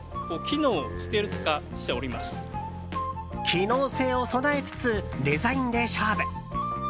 機能性を備えつつデザインで勝負。